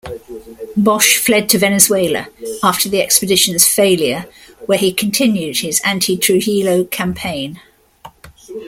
Bosch fled to Venezuela after the expedition's failure, where he continued his anti-Trujillo campaign.